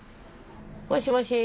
もしもし？